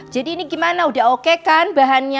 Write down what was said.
jadi ini gimana udah oke kan bahannya